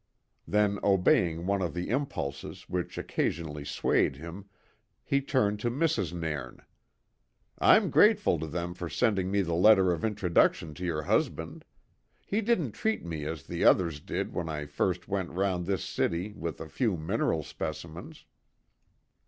Then obeying one of the impulses which occasionally swayed him he turned to Mrs. Nairn. "I'm grateful to them for sending me the letter of introduction to your husband. He didn't treat me as the others did when I first went round this city with a few mineral specimens."